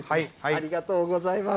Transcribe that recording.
ありがとうございます。